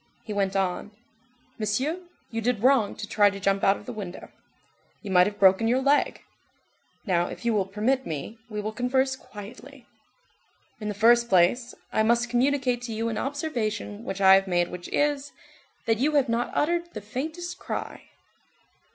He went on:— "Monsieur, you did wrong to try to jump out of the window. You might have broken your leg. Now, if you will permit me, we will converse quietly. In the first place, I must communicate to you an observation which I have made which is, that you have not uttered the faintest cry."